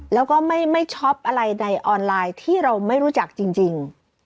แล้วก็ไม่ช็อปอะไรในออนไลน์ที่เราไม่รู้จักจริง